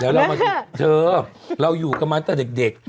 เดี๋ยวเรามาดูเธอเราอยู่กันมาตั้งแต่เด็ก